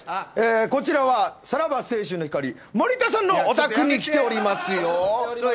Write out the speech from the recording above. こちらは、さらば青春の光森田さんのお宅に来ております。